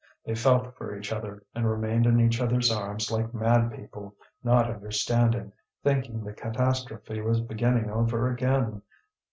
They felt for each other and remained in each other's arms like mad people, not understanding, thinking the catastrophe was beginning over again.